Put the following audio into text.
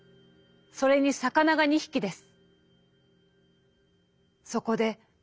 それに魚が二匹です』」。